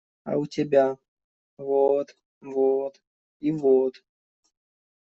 А у тебя – вот… вот… и вот…